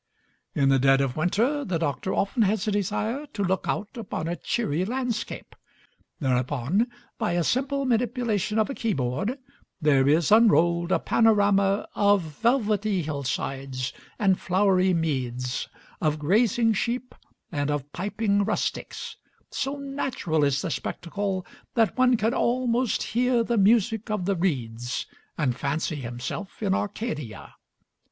In the dead of winter, the doctor often has a desire to look out upon a cheery landscape; thereupon, by a simple manipulation of a keyboard, there is unrolled a panorama of velvety hillsides and flowery meads, of grazing sheep, and of piping rustics; so natural is the spectacle that one can almost hear the music of the reeds, and fancy himself in Arcadia.